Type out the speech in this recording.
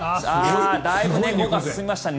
だいぶ猫が進みましたね。